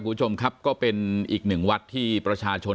คุณผู้ชมครับก็เป็นอีกหนึ่งวัดที่ประชาชน